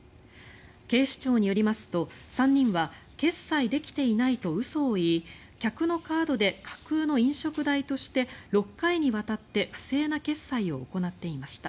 警視庁によりますと、３人は決済できていないと嘘を言い客のカードで架空の飲食代として６回にわたって不正な決済を行っていました。